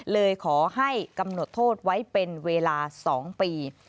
เลยขอให้กำหนดโทษไว้เป็นเวลา๒ปี